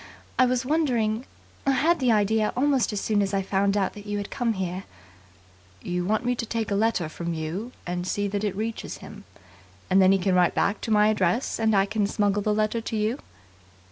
I was wondering I had the idea almost as soon as I found that you had come here " "You want me to take a letter from you and see that it reaches him. And then he can write back to my address, and I can smuggle the letter to you?"